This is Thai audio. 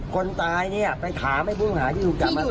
คนตายไปถามให้ผู้หาที่อยู่กำลังถ่ายรถ